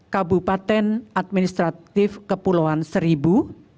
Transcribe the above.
kabupaten administratif kepulauan seribu